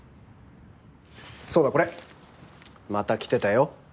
そうだこれまた来てたよ。